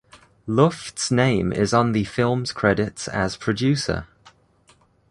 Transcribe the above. Luft's name is on the film's credits as producer.